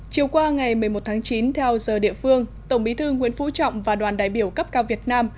chiều qua ngày một mươi một tháng chín theo giờ địa phương tổng bí thư nguyễn phú trọng và đoàn đại biểu cấp cao việt nam